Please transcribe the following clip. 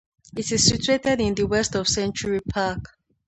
It is situated in the west of Century Park.